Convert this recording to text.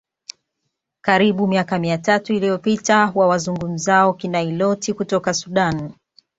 karibu miaka mia tatu iliyopita wa wazungumzao Kinailoti kutoka Sudan